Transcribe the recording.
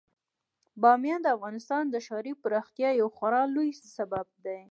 بامیان د افغانستان د ښاري پراختیا یو خورا لوی سبب دی.